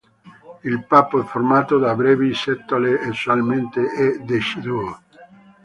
Il pappo è formato da brevi setole e usualmente è deciduo.